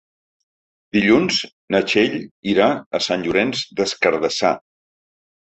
Dilluns na Txell irà a Sant Llorenç des Cardassar.